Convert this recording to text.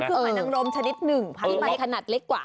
มันคือหอยนังรมชนิดหนึ่งผลัดคลิบไม้ขนาดเล็กกว่า